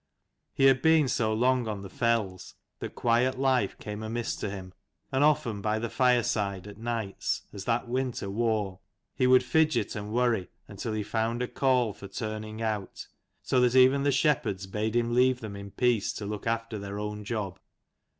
He had been so long on the fells that quiet life came amiss to him : and often by the fireside at nights, as that winter wore, he would fidget and worry until he found a call for turning out, so that even the shepherds bade him leave them in peace to look after their own job.